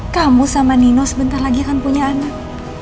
kamu sama nino sebentar lagi akan punya anak